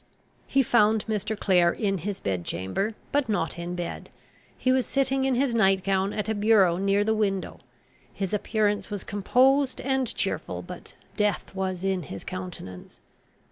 He found Mr. Clare in his bed chamber, but not in bed. He was sitting in his night gown at a bureau near the window. His appearance was composed and cheerful, but death was in his countenance.